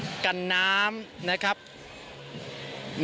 มีชุดต่างมีหมวกมีแว่นตากันน้ำ